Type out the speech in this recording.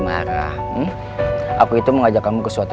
maafin bokap gua